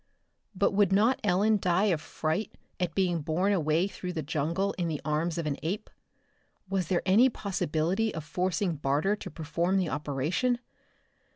But would not Ellen die of fright at being borne away through the jungle in the arms of an ape? Was there any possibility of forcing Barter to perform the operation?